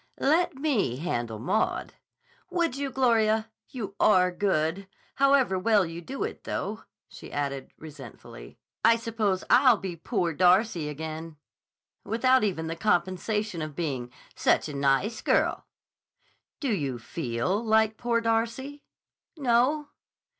"Let me handle Maud." "Would you, Gloria? You are good. However well you do it, though," she added resentfully, "I suppose I'll be 'Poor Darcy' again without even the compensation of being 'Such a nice girl.'" "Do you feel like 'Poor Darcy'?" "No."